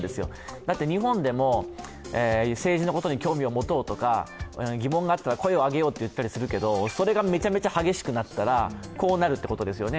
だって、日本でも政治のことに興味を持とうとか、疑問があったら声を上げようと言ったりするけれどもそれがめちゃくちゃ激しくなったらこうなるってことですよね。